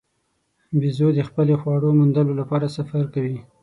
بیزو د خپلې خواړو موندلو لپاره سفر کوي.